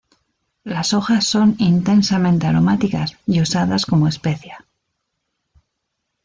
Las hojas son intensamente aromáticas y usadas como especia.